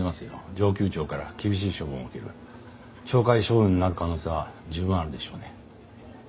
上級庁から厳しい処分を受ける懲戒処分になる可能性は十分あるでしょうね。